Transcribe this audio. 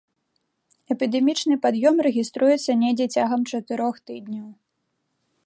Эпідэмічны пад'ём рэгіструецца недзе цягам чатырох тыдняў.